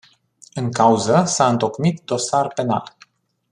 În cauză s-a întocmit dosar penal.